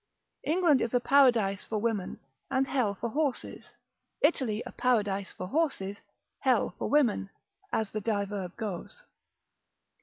England is a paradise for women, and hell for horses: Italy a paradise for horses, hell for women, as the diverb goes.